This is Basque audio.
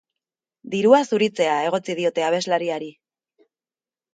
Dirua zuritzea egotzi diote abeslariari.